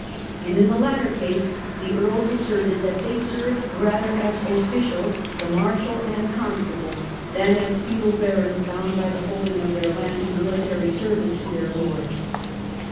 And in the latter case the earls asserted that they served rather as officials, the Marshal and Constable, than as feudal barons bound by the holding of their land to military service to their lord.